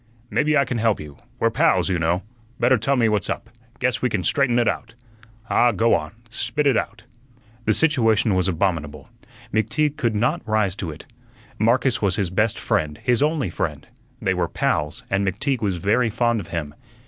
"Maybe I can help you. We're pals, you know. Better tell me what's up; guess we can straighten ut out. Ah, go on; spit ut out." The situation was abominable. McTeague could not rise to it. Marcus was his best friend, his only friend. They were "pals" and McTeague was very fond of him.